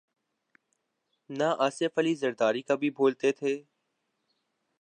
نہ آصف علی زرداری کبھی بولتے تھے۔